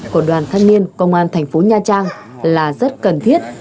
của đoàn thanh niên công an thành phố nha trang là rất cần thiết